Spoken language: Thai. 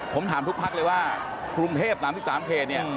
ผมถามทุกพักเลยว่ากรุงเทพ๓๓เขตเนี่ย